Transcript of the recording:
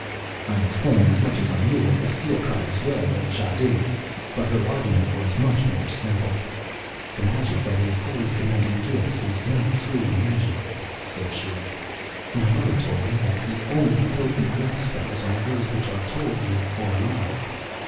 I explained as much as I knew of the seal cutter's way of jadoo; but her argument was much more simple: "The magic that is always demanding gifts is no true magic," said she. "My mother told me that the only potent love spells are those which are told you for love.